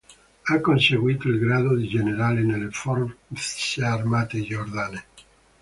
Ha conseguito il grado di generale nelle forze armate giordane.